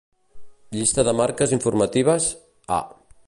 Llista de marques informatives: A